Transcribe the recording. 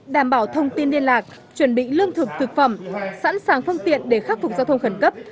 đảm bảo thông tin liên lạc chuẩn bị lương thực thực phẩm sẵn sàng phương tiện để khắc phục giao thông khẩn cấp